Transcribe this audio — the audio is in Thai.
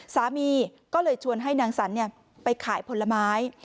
สามีก็เลยชวนให้นางสันไปขายผลไม้